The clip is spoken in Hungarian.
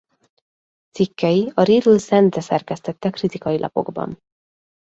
Cikkei a Riedl Szende szerkesztette Kritikai Lapokban.